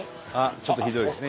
ちょっとひどいですね